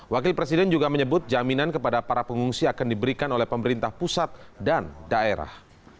wakil presiden juga menyebut jaminan kepada para pengungsi akan diberikan oleh pemerintah pusat dan daerah